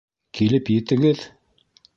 Килеп етегеҙ?